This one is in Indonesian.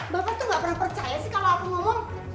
bapak tuh gak pernah percaya sih kalau aku ngomong